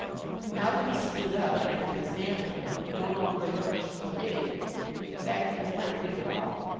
Now that he stood up and I could examine him he no longer looked so big. In fact he was not big at all.